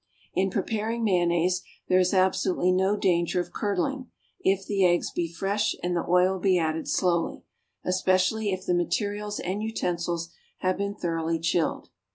In preparing mayonnaise, there is absolutely no danger of curdling, if the eggs be fresh and the oil be added slowly, especially if the materials and utensils have been thoroughly chilled.